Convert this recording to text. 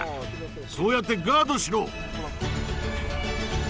そうやってガードしろ！